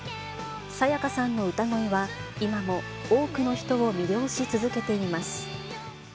沙也加さんの歌声は、今も多くの人を魅了し続けています。